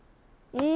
うん？